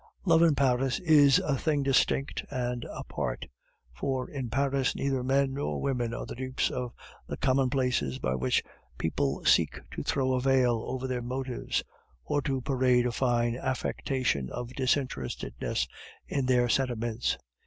Love in Paris is a thing distinct and apart; for in Paris neither men nor women are the dupes of the commonplaces by which people seek to throw a veil over their motives, or to parade a fine affectation of disinterestedness in their sentiments.